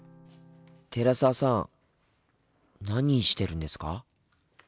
寺澤さん何してるんですか？